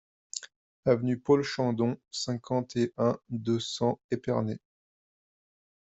Avenue Paul Chandon, cinquante et un, deux cents Épernay